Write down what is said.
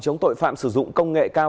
chống tội phạm sử dụng công nghệ cao